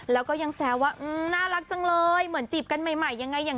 แล้วก็ยังแซวว่าน่ารักจังเลยเหมือนจีบกันใหม่ยังไงอย่าง